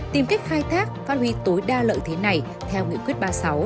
tìm cách khai thác phát huy tối đa lợi thế này theo nghị quyết ba mươi sáu